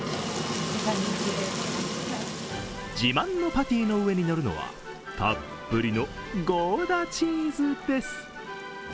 自慢のパティの上に乗るのはたっぷりのゴーダチーズです。